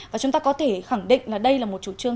và chúng ta có thể khẳng định là đây là một chủ trương